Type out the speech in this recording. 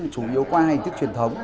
chủ yếu qua hành tích truyền thống